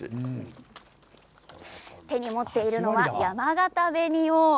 手に持っているのはやまがた紅王。